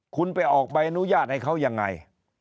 คุณไปออกใบอนุญาตให้เขายังไง